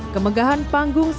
kemegahan panggung sering